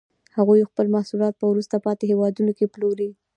هغوی خپل محصولات په وروسته پاتې هېوادونو کې پلوري